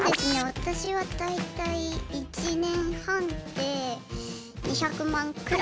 私は大体１年半で２００万くらい。